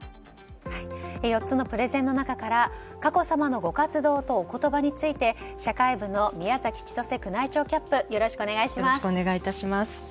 ４つのプレゼンの中から佳子さまのご活動とおことばについて社会部の宮崎千歳宮内庁キャップよろしくお願いします。